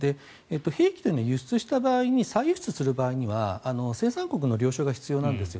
兵器というのは輸出した場合に再輸出する場合には生産国の了承が必要なんですよ。